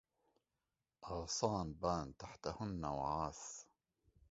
أغصان بان تحتهن وعاث